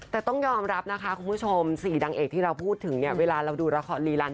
แต่ต้องยอมรับนะคะคุณผู้ชม๔นางเอกที่เราพูดถึงเนี่ยเวลาเราดูละครรีลัน